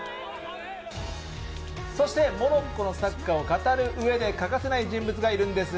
そして、モロッコのサッカーを語るうえで欠かせないの人物がいるんです。